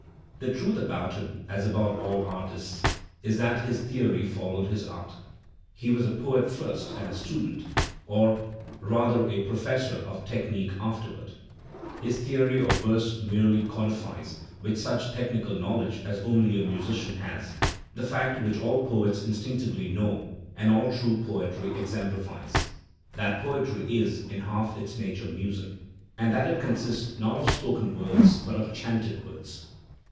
The truth about him, as about all artists, is that his theory followed his art; he was a poet first and a student, or, rather, a professor, of technic afterward. His theory of verje merely codifies, with such technical knowledge as only a musician has, the fact which all poets instinctively know and all true poetry exemplifies, that poetry is, in half its nature, music, and that it consists not of spoken words Digitized by Google 818 THE SPIRIT OP AMERICAN LITERATURE but of chanted words.